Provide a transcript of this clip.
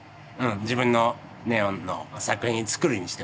自分のネオンの作品作るにしても。